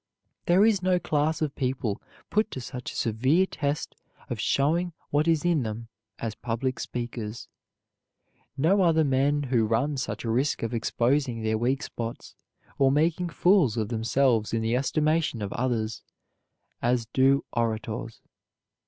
There is no class of people put to such a severe test of showing what is in them as public speakers; no other men who run such a risk of exposing their weak spots, or making fools of themselves in the estimation of others, as do orators.